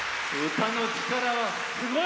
歌の力はすごい！